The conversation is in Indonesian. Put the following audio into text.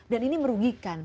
dan ini merugikan